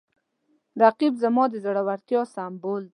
رقیب زما د زړورتیا سمبول دی